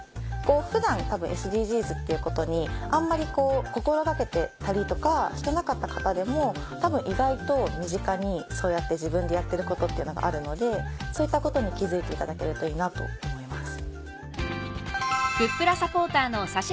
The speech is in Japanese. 普段多分ＳＤＧｓっていうことにあんまり心掛けていたりとかしてなかった方でも多分意外と身近にそうやって自分でやってることっていうのがあるのでそういったことに気付いていただけるといいなと思います。